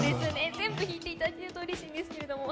全部弾いていただけるとうれしいんですけどね。